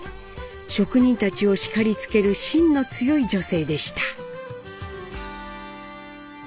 職人たちを叱りつけるしんの強い女性でした。